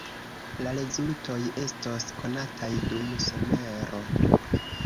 La rezultoj estos konataj dum somero.